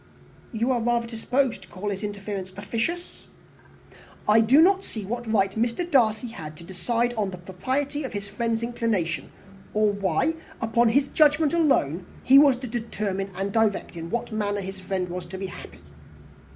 "You are rather disposed to call his interference officious?" "I do not see what right Mr. Darcy had to decide on the propriety of his friend's inclination; or why, upon his own judgment alone, he was to determine and direct in what manner that friend was to be happy.